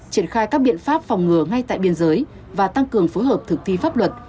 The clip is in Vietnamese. triển khai các biện pháp phòng ngừa ngay tại biên giới và tăng cường phối hợp thực thi pháp luật